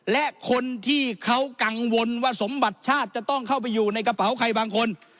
และคนที่เขากังวลว่าสมบัติชาติจะต้องเข้าไปอยู่ในกระเป๋าใครบางคน